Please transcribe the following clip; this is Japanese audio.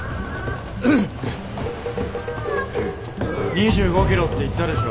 ２５ｋｍって言ったでしょ。